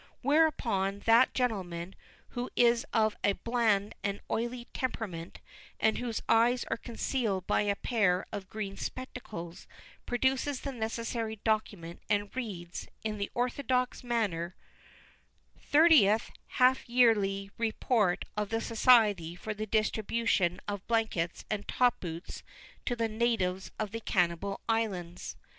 Whereupon that gentlemen, who is of a bland and oily temperament, and whose eyes are concealed by a pair of green spectacles, produces the necessary document, and reads, in the orthodox manner, "Thirtieth Half yearly Report of the Society for the Distribution of Blankets and Top boots to the Natives of the Cannibal Islands.